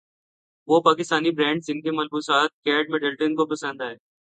وہ پاکستانی برانڈز جن کے ملبوسات کیٹ مڈلٹن کو پسند ائے